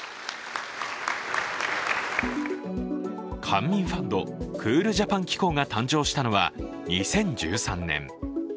官民ファンド、クールジャパン機構が誕生したのは２０１３年。